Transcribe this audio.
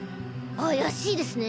怪しいですね。